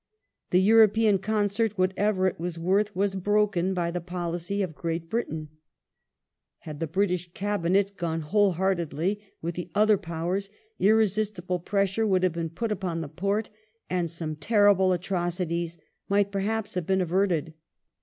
The European concert, what ever it was worth, was broken by the policy of Great Britain. Had the British Cabinet gone whole heartedly with the other Powers, irresistible pressure would have been put upon the Porte, and some terrible atrocities might, perhaps, have been averted.